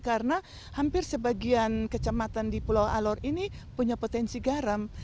karena hampir sebagian kecamatan di pulau alor ini punya potensi garam